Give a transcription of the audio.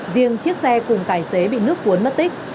riêng chiếc xe cùng tài xế bị nước cuốn mất tích